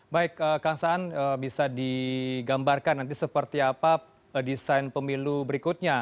baik kang saan bisa digambarkan nanti seperti apa desain pemilu berikutnya